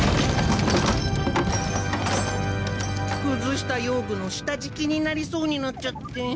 くずした用具の下じきになりそうになっちゃって。